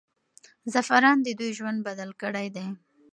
زعفران د دوی ژوند بدل کړی دی.